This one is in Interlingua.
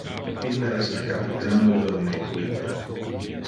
Ille es le capitano de un equipa.